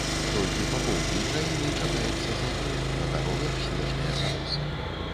Толькі па поўдні краіны чакаецца завея, на дарогах снежныя заносы.